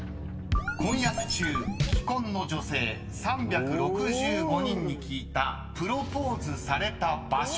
［婚約中既婚の女性３６５人に聞いたプロポーズされた場所